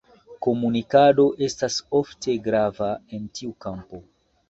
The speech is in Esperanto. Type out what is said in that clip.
Komunikado estas ofte grava en tiu kampo.